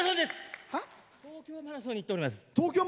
東京マラソンに行っております。